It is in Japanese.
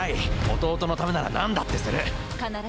弟のためだったら何だってする。